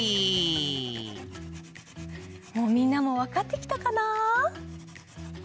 もうみんなもわかってきたかな？